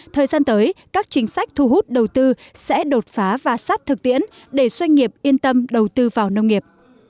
thời gian tới các chính sách thu hút đầu tư sẽ đột phá và sát thực tiễn để doanh nghiệp yên tâm đầu tư vào nông nghiệp